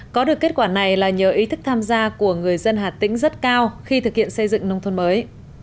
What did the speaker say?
có được kết quả này là nhờ ý thức tham gia của người dân hà tĩnh rất cao khi thực hiện xây dựng nông thôn mới